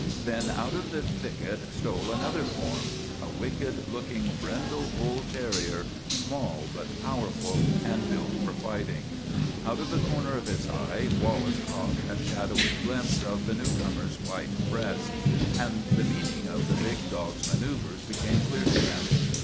Then out of the thicket stole another form, a wicked looking, brindle bull terrier, small but power ful, and built for fighting. Out of the corner of his eye Wallace caught a shadowy glimpse of the new comer's white breast, and the meaning of the big THE TWA DOGS O' GLENFERGUS 43 dog's manoeuvers became clear to him.